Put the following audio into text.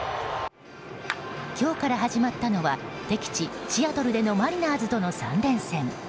今日から始まったのは敵地シアトルでのマリナーズとの３連戦。